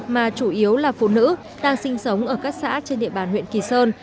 mà chủ yếu là phụ nữ đang sinh sống ở các xã trên địa bàn huyện kỳ sơn